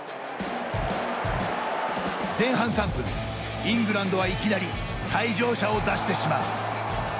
前半３分、イングランドはいきなり退場者を出してしまう。